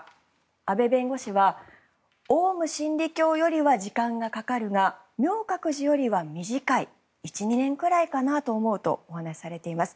阿部弁護士はオウム真理教よりは時間がかかるが明覚寺よりは短い１２年くらいかなと思うとお話しされています。